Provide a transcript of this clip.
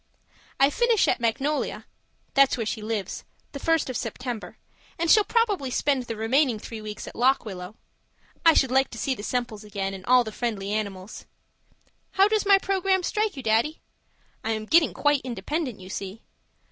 I finish at Magnolia (that's where she lives) the first of September, and shall probably spend the remaining three weeks at Lock Willow I should like to see the Semples again and all the friendly animals. How does my programme strike you, Daddy? I am getting quite independent, you see.